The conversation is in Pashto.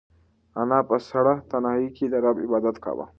انا په سړه تنهایۍ کې د رب عبادت کاوه.